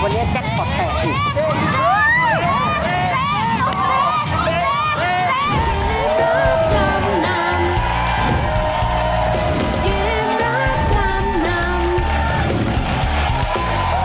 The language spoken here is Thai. วันนี้เจ๊ทดศัพท์แตบอีก